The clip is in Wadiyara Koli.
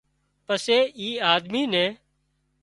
پسي اي آۮمي نين